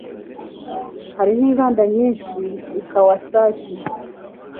Hariho inganda nyinshi i Kawasaki.